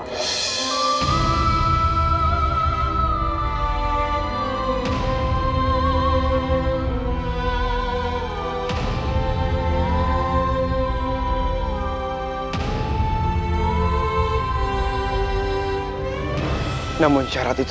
kita harus berhati hati